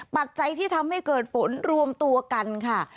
ปัจจัยที่ทำให้เกิดฝนรวมตัวกันค่ะ